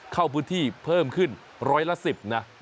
เข้าพื้นที่เพิ่มขึ้นร้อยละ๑๐นะ